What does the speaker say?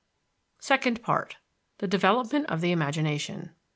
SECOND PART THE DEVELOPMENT OF THE IMAGINATION.